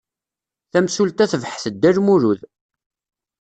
Tamsulta tebḥet Dda Lmulud.